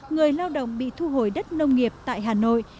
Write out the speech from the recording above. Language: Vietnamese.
người lao động bị thu hồi đất nông nghiệp tại hà nội